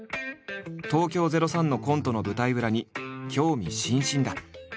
東京０３のコントの舞台裏に興味津々だ。